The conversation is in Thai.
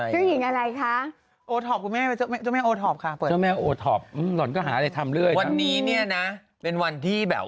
สามอะไรหรือครับสามอันไหล่